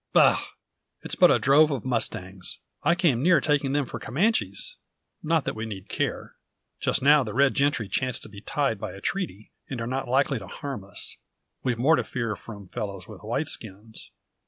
Bah! it's but a drove of mustangs. I came near taking them for Comanches; not that we need care. Just now the red gentry chance to be tied by a treaty, and are not likely to harm us. We've more to fear from fellows with white skins.